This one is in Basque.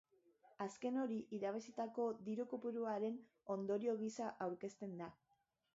Azken hori irabazitako diru-kopuruaren ondorio gisa aurkezten da.